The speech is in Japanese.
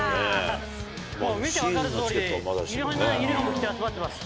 見て分かるとおり、いろんなユニホーム着て、集まってます。